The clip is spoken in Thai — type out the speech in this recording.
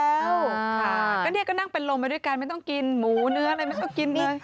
ก็เนี่ยก็นั่งเป็นลมไปด้วยกันไม่ต้องกินหมูเนื้ออะไรไม่ต้องกินเลย